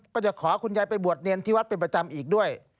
ก็จะขอคุณยายไปบวชเนรที่วัดเป็นประจำอีกด้วย